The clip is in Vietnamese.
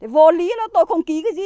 vô lý là tôi không ký cái gì